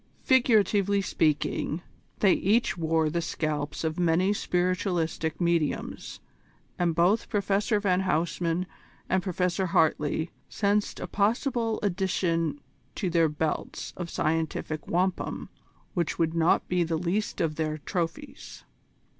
Figuratively speaking, they each wore the scalps of many spiritualistic mediums, and both Professor van Huysman and Professor Hartley sensed a possible addition to their belts of scientific wampum which would not be the least of their trophies.